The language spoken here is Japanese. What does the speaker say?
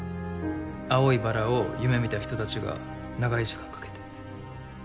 青い薔薇を夢みた人たちが長い時間かけて。